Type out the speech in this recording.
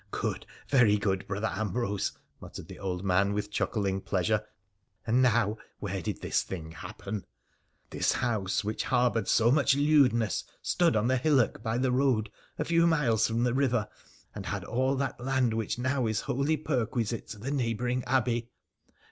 '_' Good, very good, Brother Ambrose,' muttered the old man with chuckling pleasure. ' And now, where did this thing happen ?■' This house which harboured so much leiodness stood on the hillock by the road a few miles from the river, and had all that land which now is holy perquisite to FHRA THE niCENICIAN 32S the neighbouring abbey."